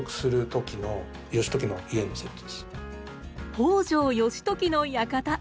北条義時の館！